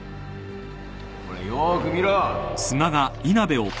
ほらよーく見ろ。